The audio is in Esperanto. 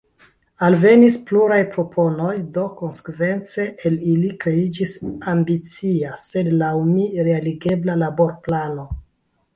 Alvenis pluraj proponoj, do konsekvence el ili kreiĝis ambicia, sed laŭ mi realigebla laborplano.